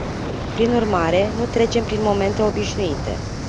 Prin urmare, nu trecem prin momente obișnuite.